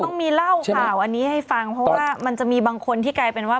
เดี๋ยวเราต้องมีเล่าข่าวอันนี้ให้ฟังเพราะว่ามันจะมีบางคนที่พูดถึงว่า